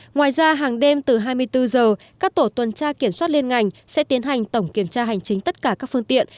ngoài ra hàng đêm từ hai mươi bốn giờ các tổ tuần tra kiểm soát liên ngành sẽ tiến hành tổng kiểm tra hành chính tất cả các phương tiện